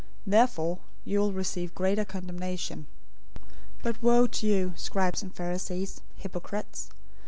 Therefore you will receive greater condemnation. 023:014 "But woe to you, scribes and Pharisees, hypocrites!